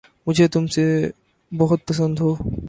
مجھے تم بہت پسند ہو